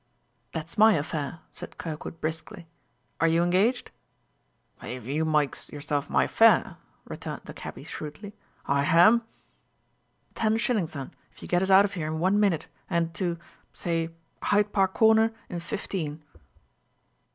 "That's my affair," said Kirkwood briskly. "Are you engaged?" "If you mykes yerself my fare," returned the cabby shrewdly, "I ham." "Ten shillings, then, if you get us out of here in one minute and to say Hyde Park Corner in fifteen."